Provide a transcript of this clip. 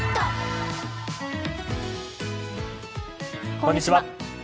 こんにちは。